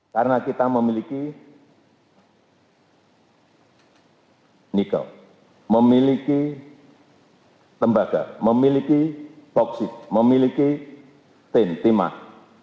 karena kita memiliki nikel memiliki tembaga memiliki toksik memiliki tim timah